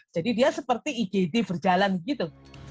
jadi dia seperti ugd berjalan gitu